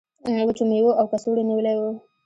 وچو میوو او کڅوړو نیولی و.